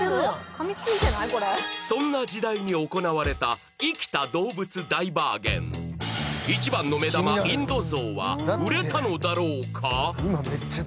そんな時代に行われた生きた動物大バーゲン一番の目玉インドゾウは売れたのだろうか？